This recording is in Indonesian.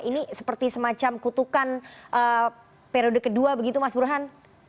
ini seperti semacam kutukan periode kedua begitu mas burhan